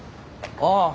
ああ。